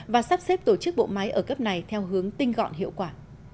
và sắp xếp tổ chức bộ máy ở cấp này theo hướng tinh gọn hiệu quả